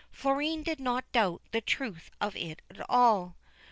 Florine did not doubt the truth of it all.